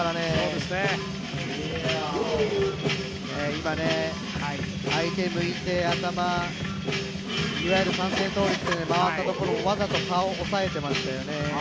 今、相手を向いて、頭、いわゆる三点倒立で回ったところもわざと顔を押さえていましたよね。